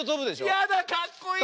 やだかっこいい！